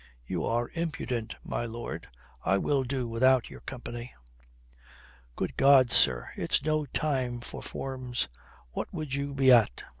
"You are impudent, my lord. I will do without your company." "Good God, sir, it's no time for forms. What would you be at?"